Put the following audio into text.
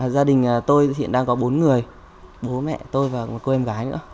gia đình tôi hiện đang có bốn người bố mẹ tôi và một cô em gái nữa